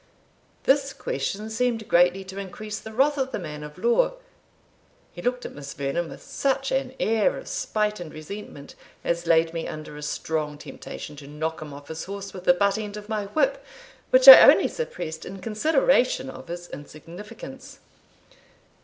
This question seemed greatly to increase the wrath of the man of law. He looked at Miss Vernon with such an air of spite and resentment, as laid me under a strong temptation to knock him off his horse with the butt end of my whip, which I only suppressed in consideration of his insignificance.